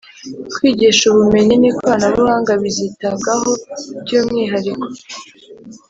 kwigisha ubumenyi n'ikoranabuhanga bizitabwaho by'umwihariko.